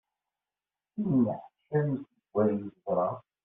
Yenneḥcam seg wayen yeẓra.